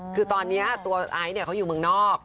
คือตอนนี้ตัวไอซ์เขาอยู่เมืองนอก